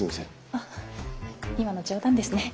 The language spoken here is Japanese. あっ今の冗談ですね。